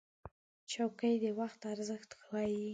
چوکۍ د وخت ارزښت ښووي.